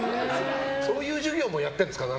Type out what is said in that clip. そういう授業もやってるんですか。